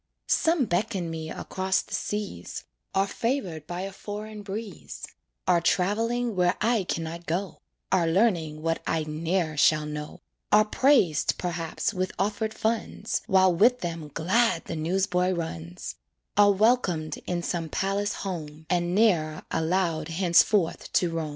Some beckon me across the seas, Are favored by a foreign breeze, Are traveling where I can not go, Are learning what I ne'er shall know, Are praised, perhaps, with offered funds, While with them glad the newsboy runs; Are welcomed in some palace home, And ne'er allowed henceforth to roam.